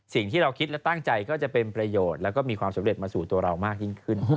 สิ่งที่เราคิดและตั้งใจก็จะเป็นประโยชน์แล้วก็มีความสำเร็จมาสู่ตัวเรามากยิ่งขึ้น